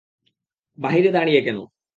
বাহিরে দাঁড়িয়ে কেন?